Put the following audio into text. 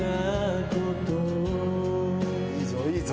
いいぞいいぞ。